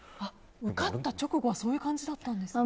受かった直後そういう感じだったんですか。